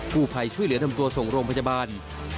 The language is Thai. ผู้ภัยช่วยเหลือนำตัวส่งโรงพยาบาล